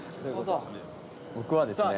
僕はですね